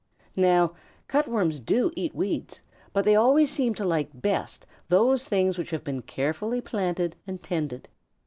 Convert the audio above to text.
Now, Cut Worms do eat weeds, but they always seem to like best those things which have been carefully planted and tended.